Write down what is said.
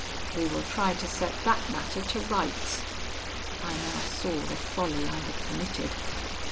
We will try to set that matter to rights.' "I now saw the folly I had committed.